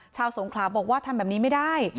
สงขลาบอกว่าทำแบบนี้ไม่ได้